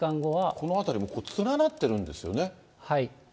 この辺りも連なってるんですよね。